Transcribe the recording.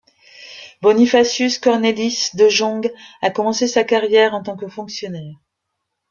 Bonifacius Cornelis de Jonge a commencé sa carrière en tant que fonctionnaire.